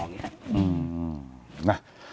อืมน่ะ